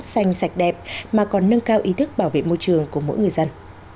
xanh sạch đẹp mà còn nâng cao ý thức bảo vệ môi trường của mỗi người dân